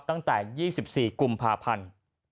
ตั้งแต่๒๔กุมภาพันธ์